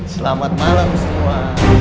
selamat malam semua